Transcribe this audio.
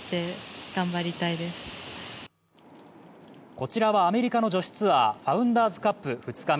こちらはアメリカの女子ツアー、ファウンダーズカップ２日目。